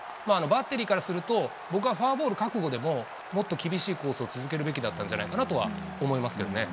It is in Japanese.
バッテリーからすると、僕はフォアボール覚悟でも、もっと厳しいコースを続けるべきだったんじゃないかなとは思いま